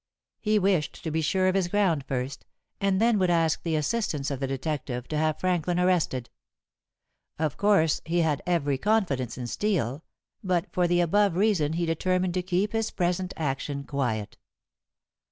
He wished to be sure of his ground first, and then would ask the assistance of the detective to have Franklin arrested. Of course, he had every confidence in Steel, but for the above reason he determined to keep his present action quiet.